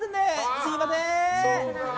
すみません！